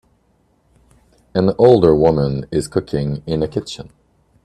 An older woman is cooking in a kitchen.